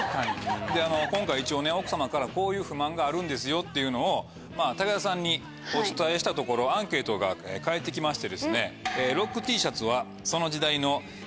今回奥様からこういう不満があるんですよっていうのを武田さんにお伝えしたところアンケートが返って来まして。